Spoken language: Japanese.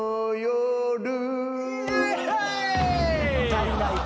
・足りない。